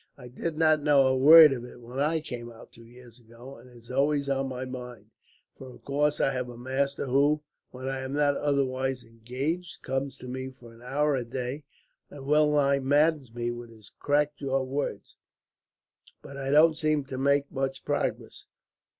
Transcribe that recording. I did not know a word of it, when I came out two years ago; and it is always on my mind, for of course I have a master who, when I am not otherwise engaged, comes to me for an hour a day, and well nigh maddens me with his crack jaw words; but I don't seem to make much progress.